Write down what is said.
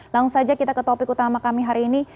langsung saja kita ke topik utama kami hari ini